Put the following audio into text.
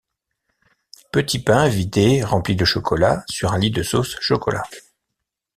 Petit pain vidé remplie de chocolat sur un lit de sauce chocolat.